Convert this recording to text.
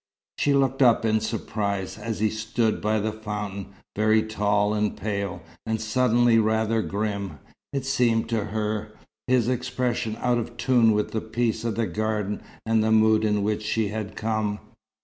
She looked up in surprise, as he stood by the fountain, very tall and pale, and suddenly rather grim, it seemed to her, his expression out of tune with the peace of the garden and the mood in which she had come.